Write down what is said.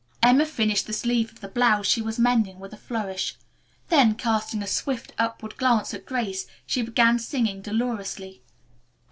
Emma finished the sleeve of the blouse she was mending with a flourish. Then, casting a swift, upward glance at Grace, she began singing dolorously.